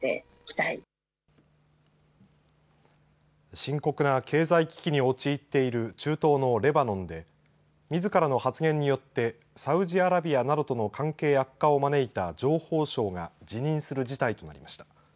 深刻な経済危機に陥っている中東のレバノンでみずからの発言によってサウジアラビアなどとの関係悪化を招いた情報相が辞任する事態となりました。